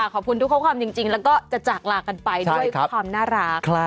ขอบคุณทุกข้อความจริงแล้วก็จะจากลากันไปด้วยความน่ารัก